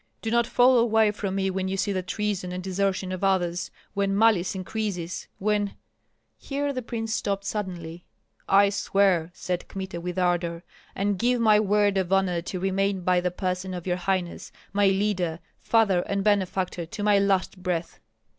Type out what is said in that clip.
Do not fall away from me when you see the treason and desertion of others, when malice increases, when " Here the prince stopped suddenly. "I swear," said Kmita, with ardor, "and give my word of honor to remain by the person of your highness, my leader, father, and benefactor, to my last breath."